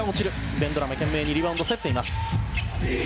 ベンドラメ、懸命にリバウンドを競ります。